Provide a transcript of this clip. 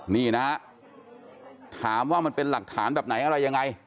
นี่นะฮะถามว่ามันเป็นหลักฐานแบบไหนอะไรยังไง